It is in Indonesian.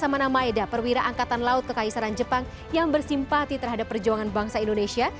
samana maeda perwira angkatan laut kekaisaran jepang yang bersimpati terhadap perjuangan bangsa indonesia